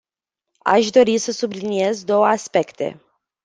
Aș dori să subliniez două aspecte.